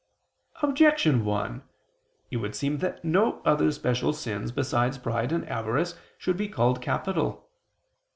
Objection 1: It would seem that no other special sins, besides pride and avarice, should be called capital.